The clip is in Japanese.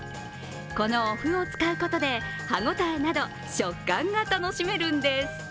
このおふを使うことで、歯ごたえなど食感が楽しめるんです。